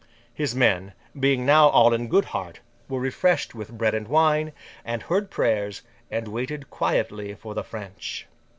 His men, being now all in good heart, were refreshed with bread and wine, and heard prayers, and waited quietly for the French.